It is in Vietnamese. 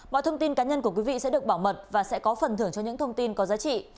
mọi thông tin cá nhân của quý vị sẽ được bảo mật và sẽ có phần thưởng cho những thông tin có giá trị